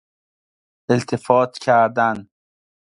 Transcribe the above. التفات کردن